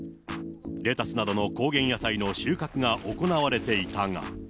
レタスなどの高原野菜の収穫が行われていたが。